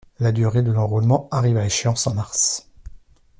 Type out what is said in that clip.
La durée de l'enrôlement arrive à échéance en mars.